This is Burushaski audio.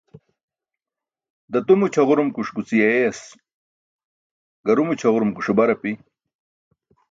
Datumo ćʰaġurumkuṣ guci eeyas, garumo ćʰaġurumkuṣe bar api.